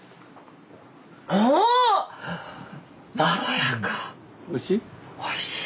おいしい？